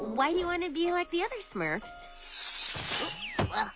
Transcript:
わっ！